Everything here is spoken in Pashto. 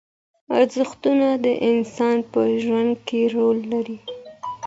ارزښتونه د انسان په ژوند کې رول لري.